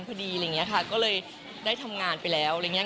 พอดีอะไรอย่างนี้ค่ะก็เลยได้ทำงานไปแล้วอะไรอย่างเงี้